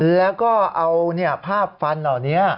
แล้วก็เอาภาพฟันเหล่านี้